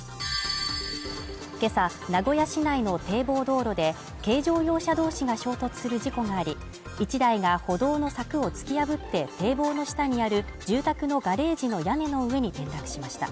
今朝名古屋市内の堤防道路で軽乗用車同士が衝突する事故があり、１台が歩道の柵を突き破って堤防の下にある住宅のガレージの屋根の上に転落しました。